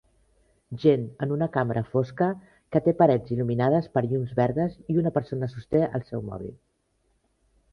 Gent en una cambra fosca que té parets il·luminades per llums verdes i una persona sosté el seu mòbil